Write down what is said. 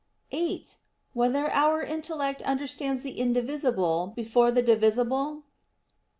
(8) Whether our intellect understands the indivisible before the divisible?